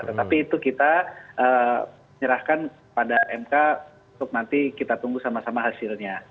tetapi itu kita menyerahkan kepada mk untuk nanti kita tunggu sama sama hasilnya